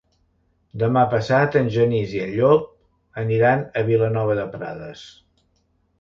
Demà passat en Genís i en Llop aniran a Vilanova de Prades.